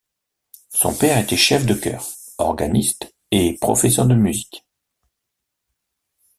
Son père était chef de chœur, organiste et professeur de musique.